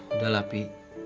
udah lah pi